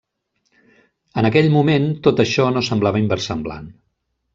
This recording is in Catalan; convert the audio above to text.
En aquell moment, tot això no semblava inversemblant.